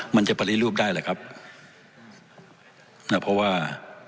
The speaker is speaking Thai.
มันจะปฏิรูปได้หรือครับนะเพราะว่า